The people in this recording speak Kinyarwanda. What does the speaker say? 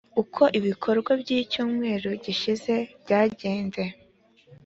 uko ibikorwa by icyumweru gishize byagenze